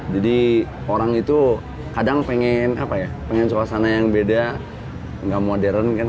jadi orang itu kadang pengen apa ya pengen suasana yang beda nggak modern kan